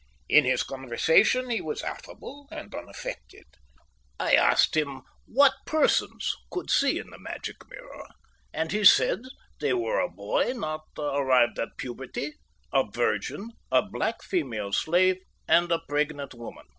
In his conversation he was affable and unaffected. I asked him what persons could see in the magic mirror, and he said they were a boy not arrived at puberty, a virgin, a black female slave, and a pregnant woman.